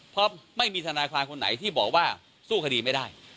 เพราะไม่มีทนายความคนไหนที่บอกว่าสู้คดีไม่ได้